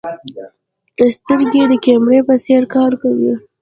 سترګې د کیمرې په څېر کار کوي.